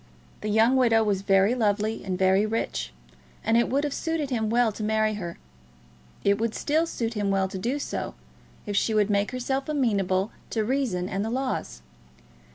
The young widow was very lovely and very rich, and it would have suited him well to marry her. It would still suit him well to do so, if she would make herself amenable to reason and the laws.